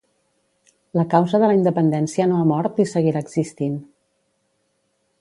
La causa de la independència no ha mort i seguirà existint